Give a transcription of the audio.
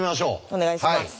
お願いします。